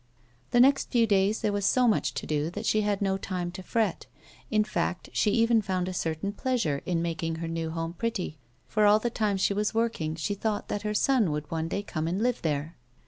The next few days there was so much to do that she had no time to fret ; in fact, she even found a certain pleasure in making her new home pretty, for all the time she was working she thought that her son would one day come and live there.